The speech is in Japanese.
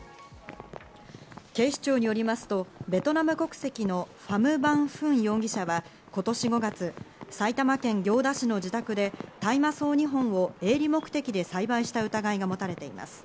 警視庁によりますと、ベトナム国籍のファム・ヴァン・フン容疑者は、今年５月、埼玉県行田市の自宅で大麻草２本を営利目的で栽培した疑いが持たれています。